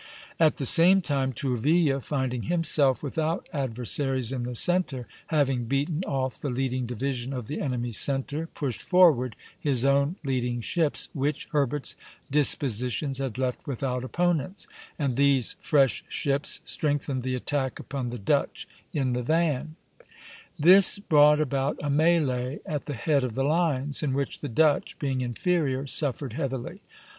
] At the same time Tourville, finding himself without adversaries in the centre, having beaten off the leading division of the enemy's centre, pushed forward his own leading ships, which Herbert's dispositions had left without opponents; and these fresh ships strengthened the attack upon the Dutch in the van (B). This brought about a mêlée at the head of the lines, in which the Dutch, being inferior, suffered heavily.